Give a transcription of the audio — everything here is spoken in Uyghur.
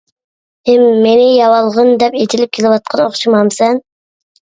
ھىم، مېنى يەۋالغىن، دەپ ئېتىلىپ كېلىۋاتقان ئوخشىمامسەن!